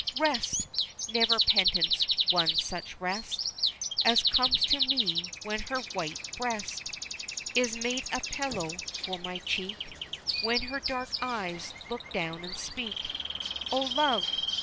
Rest! never penance won such rest As comes to me when her white breast Is made a pillow for my cheek, When her dark eyes look down and speak; O Love!